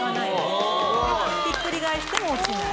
ひっくり返しても落ちない。